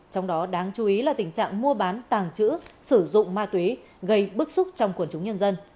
trong đó đáng chú ý là tình trạng mua bán tàng trữ sử dụng ma túy gây bức xúc trong quần chúng nhân dân